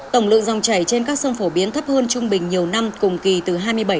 tổng lượng rồng chảy trên các sông phổ biến thấp hơn trung bình nhiều năm cùng kỳ từ hai mươi bảy sáu mươi tám